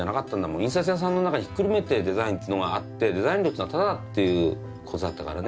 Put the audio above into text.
印刷屋さんの中にひっくるめてデザインっていうのがあってデザイン料っていうのはタダだっていうことだったからね。